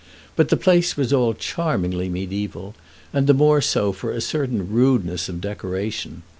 But the place was all charmingly mediæval, and the more so for a certain rudeness of decoration.